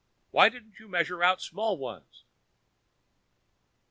Why didn't you measure out small ones?"